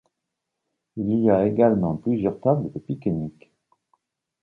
Il y a également plusieurs tables de pique-nique.